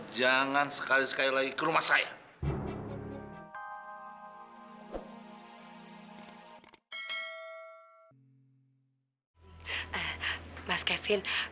jangan kevin kak sep